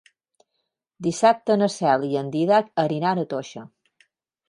Dissabte na Cel i en Dídac aniran a Toixa.